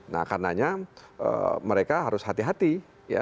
nah karenanya mereka harus hati hati